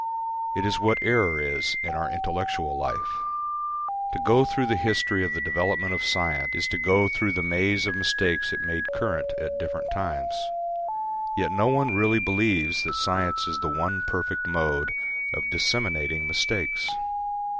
It is what error is in our intellectual life. To go through the history of the development of science is to go through the maze of mistakes it made current at different times. Yet no one really believes that science is the one perfect mode of disseminating mistakes.